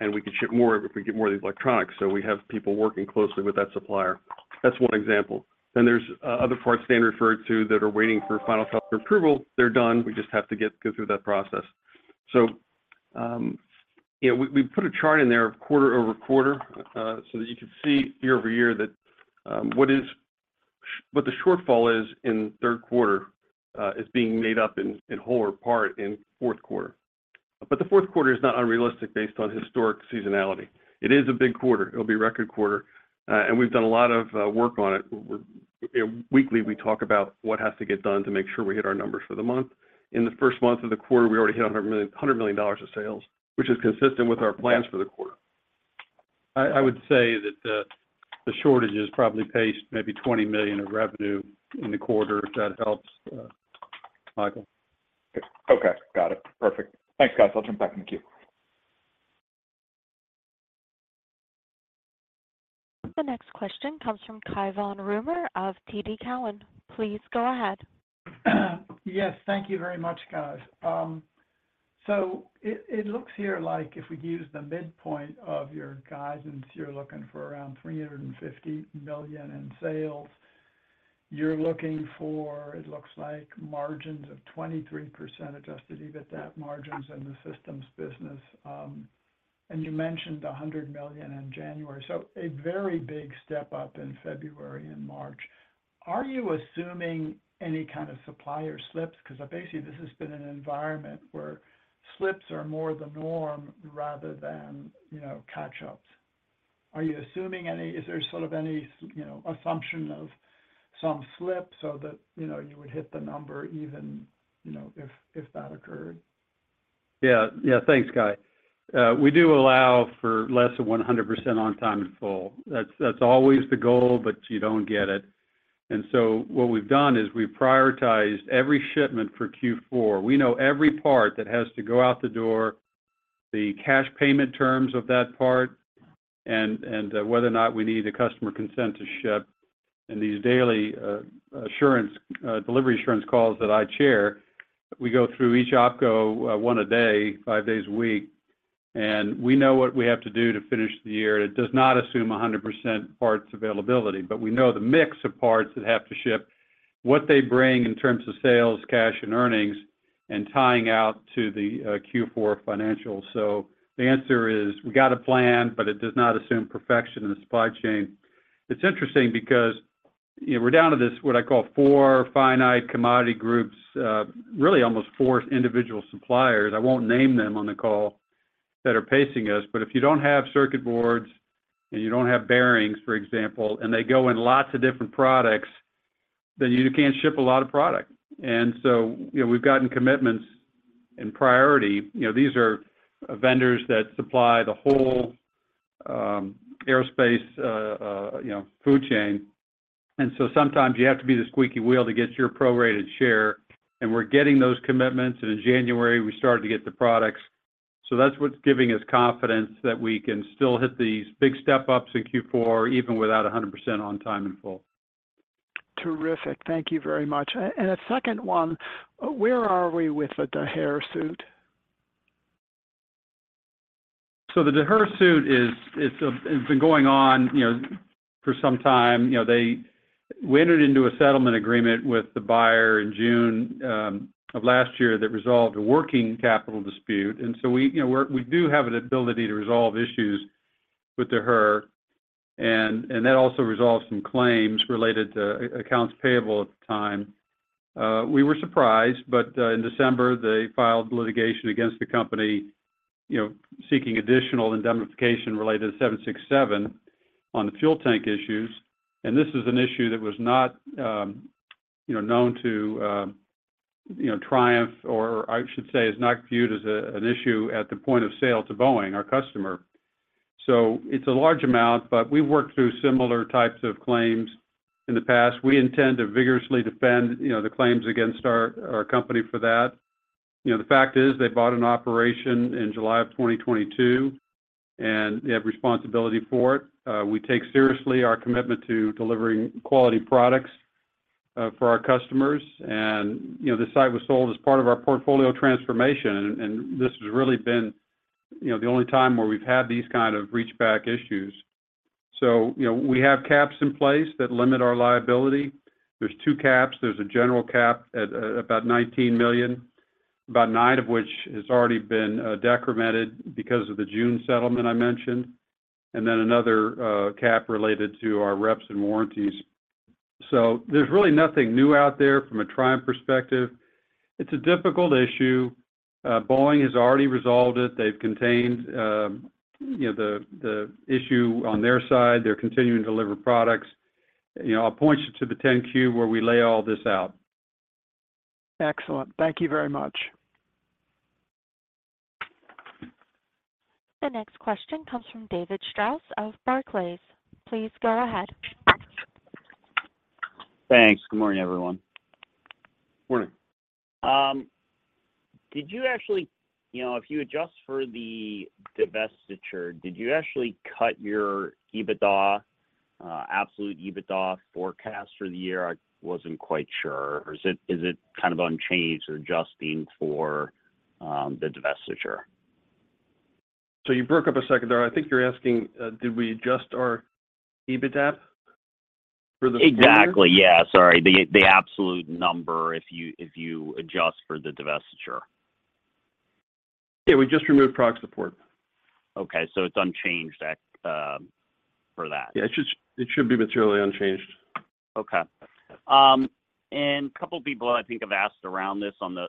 And we can ship more if we get more of these electronics, so we have people working closely with that supplier. That's one example. Then there's other parts Dan referred to, that are waiting for final software approval. They're done; we just have to go through that process. So, you know, we, we put a chart in there quarter-over-quarter, so that you could see year-over-year that, what the shortfall is in Q3, is being made up in, in whole or part in Q4. But the Q4 is not unrealistic based on historic seasonality. It is a big quarter. It'll be a record quarter, and we've done a lot of, work on it. Weekly, we talk about what has to get done to make sure we hit our numbers for the month. In the first month of the quarter, we already hit $100 million, $100 million dollars of sales, which is consistent with our plans for the quarter. I would say that the shortage is probably paced maybe $20 million of revenue in the quarter, if that helps, Michael. Okay, got it. Perfect. Thanks, guys. I'll jump back in the queue. The next question comes from Cai von Rumohr of TD Cowen. Please go ahead. Yes, thank you very much, guys. So it looks here like if we use the midpoint of your guidance, you're looking for around $350 million in sales. You're looking for, it looks like margins of 23% adjusted EBITDA margins in the systems business. And you mentioned $100 million in January, so a very big step up in February and March. Are you assuming any kind of supplier slips? Because basically, this has been an environment where slips are more the norm rather than, you know, catch-ups. Are you assuming any? Is there sort of any, you know, assumption of some slip so that, you know, you would hit the number even, you know, if that occurred? Yeah. Yeah. Thanks, Cai. We do allow for less than 100% on time and full. That's, that's always the goal, but you don't get it. And so what we've done is we've prioritized every shipment for Q4. We know every part that has to go out the door, the cash payment terms of that part, and whether or not we need a customer consent to ship. In these daily assurance delivery assurance calls that I chair, we go through each opco one a day, five days a week, and we know what we have to do to finish the year. It does not assume a 100% parts availability, but we know the mix of parts that have to ship, what they bring in terms of sales, cash, and earnings, and tying out to the Q4 financials. So the answer is, we got a plan, but it does not assume perfection in the supply chain. It's interesting because, you know, we're down to this, what I call four finite commodity groups, really almost four individual suppliers, I won't name them on the call, that are pacing us. But if you don't have circuit boards and you don't have bearings, for example, and they go in lots of different products, then you can't ship a lot of product. And so, you know, we've gotten commitments and priority. You know, these are vendors that supply the whole, aerospace, you know, food chain, and so sometimes you have to be the squeaky wheel to get your prorated share. And we're getting those commitments, and in January, we started to get the products. So that's what's giving us confidence that we can still hit these big step-ups in Q4, even without 100% on time and full. Terrific. Thank you very much. And a second one, where are we with the Ducommun suit? So the Ducommun suit is, it's been going on, you know, for some time. You know, they- we entered into a settlement agreement with the buyer in June of last year that resolved a working capital dispute. And so we, you know, we're- we do have an ability to resolve issues with Ducommun, and that also resolved some claims related to accounts payable at the time. We were surprised, but in December, they filed litigation against the company. You know, seeking additional indemnification related to the 767 on the fuel tank issues. And this is an issue that was not, you know, known to, you know, Triumph, or I should say, is not viewed as a, an issue at the point of sale to Boeing, our customer. So it's a large amount, but we've worked through similar types of claims in the past. We intend to vigorously defend, you know, the claims against our, our company for that. You know, the fact is they bought an operation in July 2022, and they have responsibility for it. We take seriously our commitment to delivering quality products, for our customers. And, you know, the site was sold as part of our portfolio transformation, and this has really been, you know, the only time where we've had these kind of reach back issues. So, you know, we have caps in place that limit our liability. There's two caps. There's a general cap at about $19 million, about $9 million of which has already been decremented because of the June settlement I mentioned, and then another cap related to our reps and warranties. So there's really nothing new out there from a Triumph perspective. It's a difficult issue. Boeing has already resolved it. They've contained, you know, the issue on their side. They're continuing to deliver products. You know, I'll point you to the 10-Q, where we lay all this out. Excellent. Thank you very much. The next question comes from David Strauss of Barclays. Please go ahead. Thanks. Good morning, everyone. Morning. Did you actually... You know, if you adjust for the divestiture, did you actually cut your EBITDA absolute EBITDA forecast for the year? I wasn't quite sure. Or is it kind of unchanged or adjusting for the divestiture? So you broke up a second there. I think you're asking, did we adjust our EBITDA for the- Exactly, yeah. Sorry, the absolute number, if you adjust for the divestiture. Yeah, we just removed proc support. Okay, so it's unchanged, for that? Yeah, it should, it should be materially unchanged. Okay. And a couple people I think have asked around this on the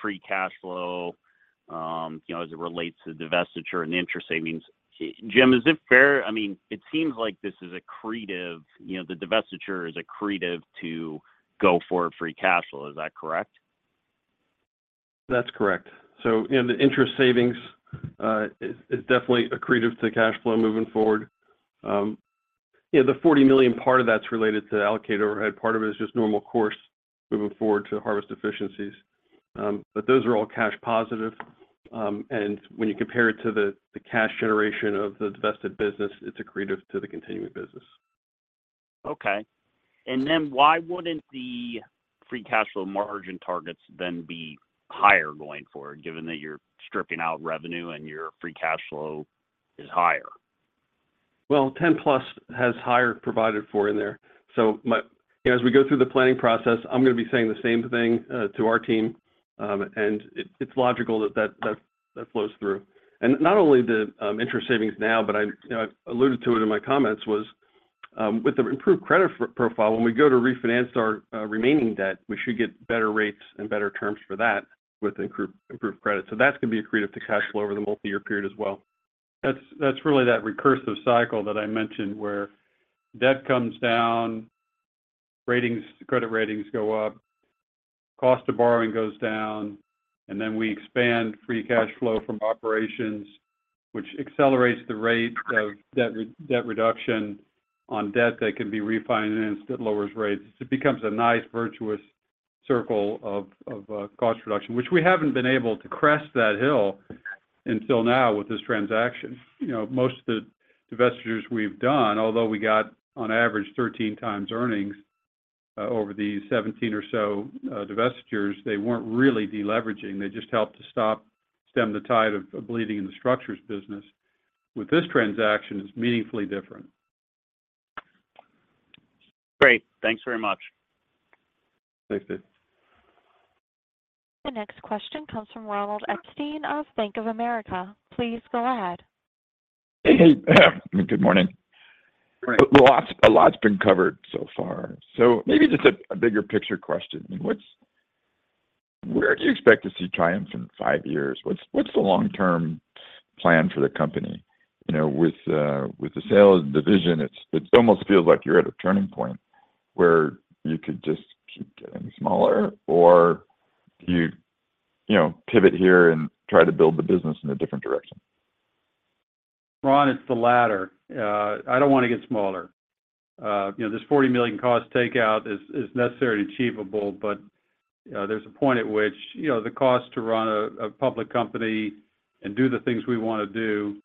free cash flow, you know, as it relates to divestiture and interest savings. Jim, is it fair—I mean, it seems like this is accretive, you know, the divestiture is accretive to go forward free cash flow. Is that correct? That's correct. So, you know, the interest savings is definitely accretive to the cash flow moving forward. Yeah, the $40 million part of that's related to allocated overhead. Part of it is just normal course moving forward to harvest efficiencies. But those are all cash positive. And when you compare it to the cash generation of the divested business, it's accretive to the continuing business. Okay. And then why wouldn't the free cash flow margin targets then be higher going forward, given that you're stripping out revenue and your free cash flow is higher? Well, 10 plus has higher provided for in there. You know, as we go through the planning process, I'm going to be saying the same thing to our team. And it, it's logical that that flows through. And not only the interest savings now, but you know, I've alluded to it in my comments, with the improved credit profile, when we go to refinance our remaining debt, we should get better rates and better terms for that with improved credit. So that's going to be accretive to cash flow over the multiyear period as well. That's, that's really that recursive cycle that I mentioned, where debt comes down, ratings, credit ratings go up, cost of borrowing goes down, and then we expand free cash flow from operations, which accelerates the rate of debt reduction on debt that can be refinanced. It lowers rates. It becomes a nice virtuous circle of cost reduction, which we haven't been able to crest that hill until now with this transaction. You know, most of the divestitures we've done, although we got on average 13 times earnings over the 17 or so divestitures, they weren't really deleveraging. They just helped to stop, stem the tide of bleeding in the structures business. With this transaction, it's meaningfully different. Great. Thanks very much. Thanks, David. The next question comes from Ronald Epstein of Bank of America. Please go ahead. Hey, good morning. Good morning. A lot, a lot's been covered so far. So maybe just a bigger picture question. What's where do you expect to see Triumph in five years? What's the long-term plan for the company? You know, with, with the sales division, it's it almost feels like you're at a turning point, where you could just keep getting smaller, or do you, you know, pivot here and try to build the business in a different direction? Ron, it's the latter. I don't want to get smaller. You know, this $40 million cost takeout is necessarily achievable, but there's a point at which, you know, the cost to run a public company and do the things we want to do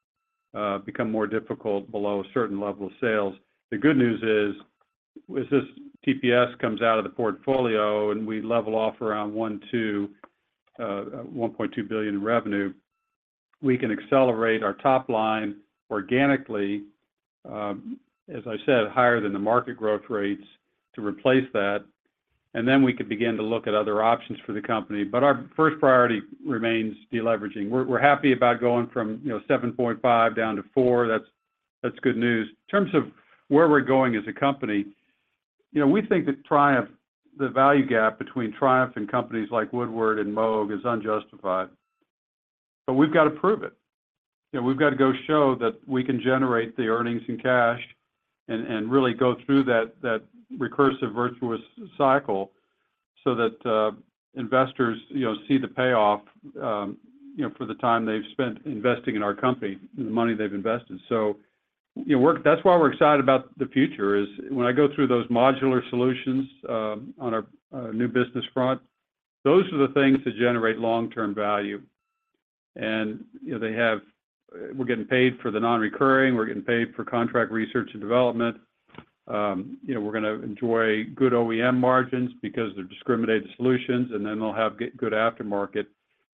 become more difficult below a certain level of sales. The good news is, with this TPS comes out of the portfolio, and we level off around $1-$1.2 billion in revenue, we can accelerate our top line organically, as I said, higher than the market growth rates to replace that. And then we can begin to look at other options for the company. But our first priority remains deleveraging. We're happy about going from, you know, 7.5 down to 4. That's good news. In terms of where we're going as a company. You know, we think that Triumph, the value gap between Triumph and companies like Woodward and Moog is unjustified, but we've got to prove it. You know, we've got to go show that we can generate the earnings and cash and, and really go through that, that recursive, virtuous cycle so that, investors, you know, see the payoff for the time they've spent investing in our company and the money they've invested. So, you know, we're. That's why we're excited about the future, is when I go through those modular solutions on our new business front, those are the things that generate long-term value. And, you know, they have. We're getting paid for the non-recurring. We're getting paid for contract research and development. You know, we're gonna enjoy good OEM margins because they're differentiated solutions, and then they'll have good aftermarket.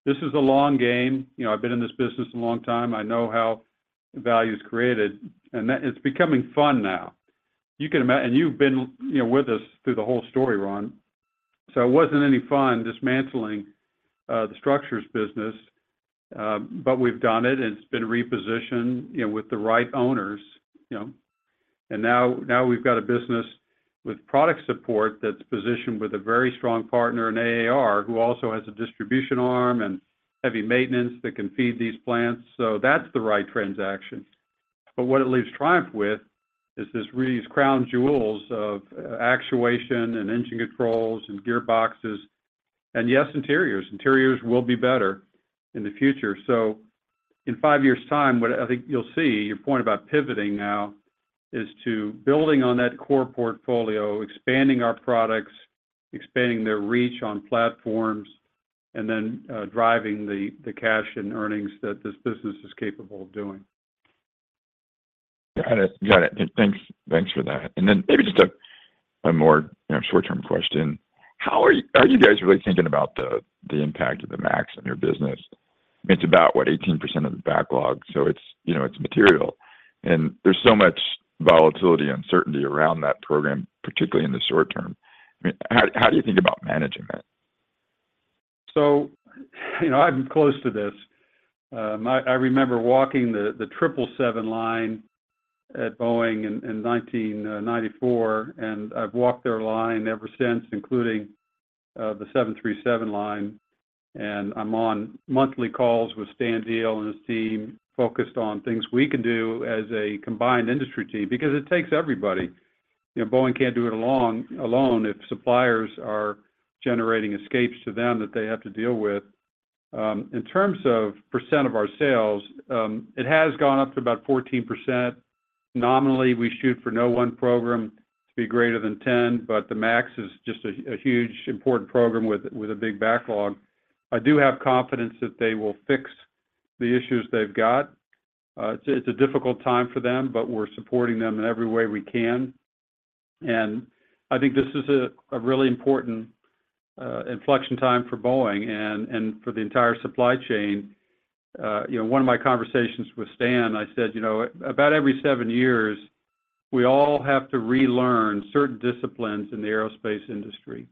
This is a long game. You know, I've been in this business a long time. I know how value is created, and that it's becoming fun now. You can imagine... And you've been, you know, with us through the whole story, Ron. So it wasn't any fun dismantling the structures business, but we've done it, and it's been repositioned, you know, with the right owners, you know? And now, now we've got a business with product support that's positioned with a very strong partner in AAR, who also has a distribution arm and heavy maintenance that can feed these plants. So that's the right transaction. But what it leaves Triumph with is this, really, these crown jewels of actuation and engine controls and gearboxes and, yes, interiors. Interiors will be better in the future. So in five years' time, what I think you'll see, your point about pivoting now, is to building on that core portfolio, expanding our products, expanding their reach on platforms, and then driving the cash and earnings that this business is capable of doing. Got it, got it. Thanks for that. Then maybe just a more, you know, short-term question: how are you guys really thinking about the impact of the MAX on your business? It's about what, 18% of the backlog, so it's, you know, material. There's so much volatility and uncertainty around that program, particularly in the short term. I mean, how do you think about managing that? So, you know, I'm close to this. I remember walking the triple seven line at Boeing in 1994, and I've walked their line ever since, including the 737 line. I'm on monthly calls with Stan Deal and his team, focused on things we can do as a combined industry team, because it takes everybody. You know, Boeing can't do it alone if suppliers are generating escapes to them that they have to deal with. In terms of percent of our sales, it has gone up to about 14%. Nominally, we shoot for no one program to be greater than 10, but the MAX is just a huge important program with a big backlog. I do have confidence that they will fix the issues they've got. It's a difficult time for them, but we're supporting them in every way we can. And I think this is a really important inflection time for Boeing and for the entire supply chain. You know, one of my conversations with Stan, I said, "You know, about every seven years, we all have to relearn certain disciplines in the aerospace industry.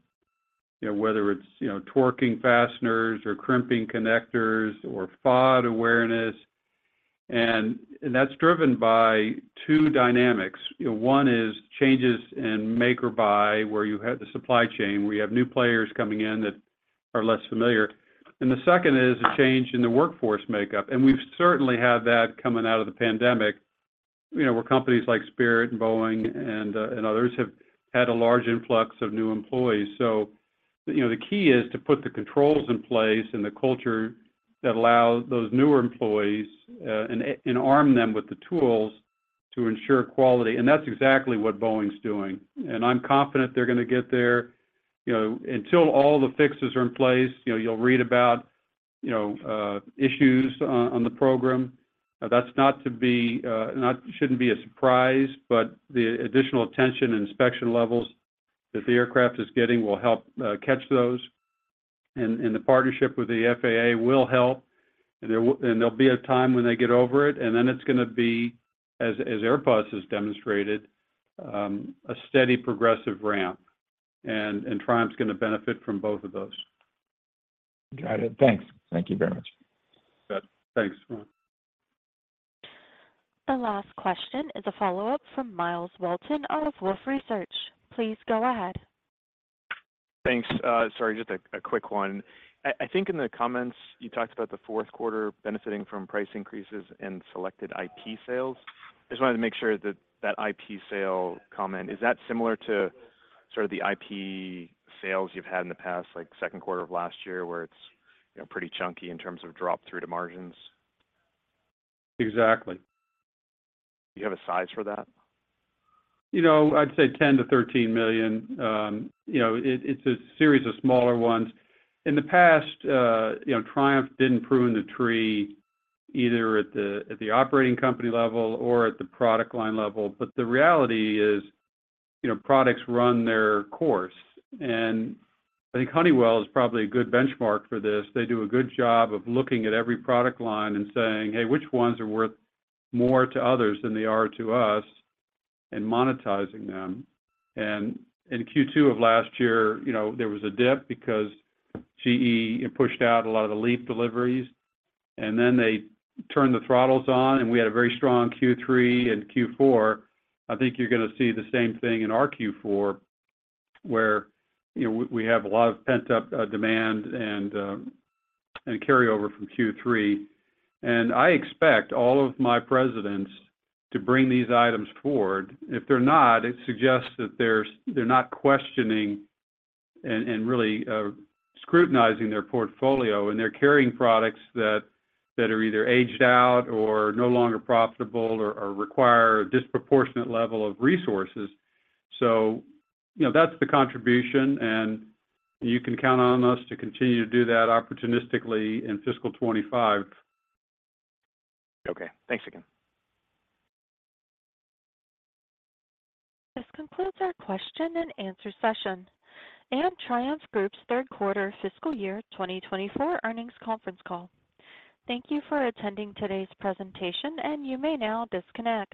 You know, whether it's, you know, torquing fasteners or crimping connectors or FOD awareness, and that's driven by two dynamics. You know, one is changes in make or buy, where you have the supply chain, where you have new players coming in that are less familiar. And the second is a change in the workforce makeup, and we've certainly had that coming out of the pandemic. You know, where companies like Spirit and Boeing and others have had a large influx of new employees. So, you know, the key is to put the controls in place and the culture that allows those newer employees and arm them with the tools to ensure quality, and that's exactly what Boeing's doing. And I'm confident they're gonna get there. You know, until all the fixes are in place, you know, you'll read about issues on the program. That's not to be, shouldn't be a surprise, but the additional attention and inspection levels that the aircraft is getting will help catch those. And the partnership with the FAA will help. And there'll be a time when they get over it, and then it's gonna be, as Airbus has demonstrated, a steady progressive ramp, and Triumph's gonna benefit from both of those. Got it. Thanks. Thank you very much. You bet. Thanks, Ron. The last question is a follow-up from Myles Walton of Wolfe Research. Please go ahead. Thanks. Sorry, just a quick one. I think in the comments, you talked about the Q4 benefiting from price increases in selected IP sales. I just wanted to make sure that that IP sale comment, is that similar to sort of the IP sales you've had in the past, like Q2 of last year, where it's, you know, pretty chunky in terms of drop-through to margins? Exactly. Do you have a size for that? You know, I'd say $10 million-$13 million. You know, it's a series of smaller ones. In the past, you know, Triumph didn't prune the tree, either at the operating company level or at the product line level. But the reality is, you know, products run their course, and I think Honeywell is probably a good benchmark for this. They do a good job of looking at every product line and saying, "Hey, which ones are worth more to others than they are to us?" and monetizing them. And in Q2 of last year, you know, there was a dip because GE pushed out a lot of the LEAP deliveries, and then they turned the throttles on, and we had a very strong Q3 and Q4. I think you're gonna see the same thing in our Q4, where, you know, we have a lot of pent-up demand and carryover from Q3. And I expect all of my presidents to bring these items forward. If they're not, it suggests that they're not questioning and really scrutinizing their portfolio, and they're carrying products that are either aged out or no longer profitable or require a disproportionate level of resources. So, you know, that's the contribution, and you can count on us to continue to do that opportunistically in fiscal 25. Okay. Thanks again. This concludes our question-and-answer session and Triumph Group's Q3 Fiscal Year 2024 Earnings Conference Call. Thank you for attending today's presentation, and you may now disconnect.